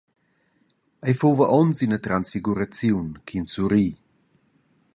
Ei fuva onz ina transfiguraziun ch’in surrir.